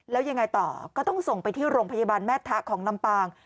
แล้วยังไงต่อก็ต้องส่งไปที่โรงพยาบาลแม่ทะของลำปาง